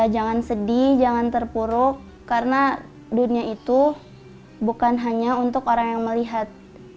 jangan sedih jangan terpuruk karena dunia itu bukan hanya untuk orang yang melihat